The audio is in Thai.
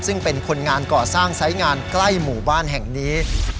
ซึ่งเป็นคนงานก่อสร้างไซส์งานใกล้หมู่บ้านแห่งนี้